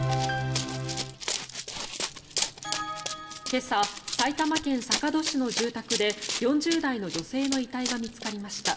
今朝、埼玉県坂戸市の住宅で４０代の女性の遺体が見つかりました。